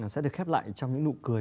sẽ được khép lại trong những nụ cười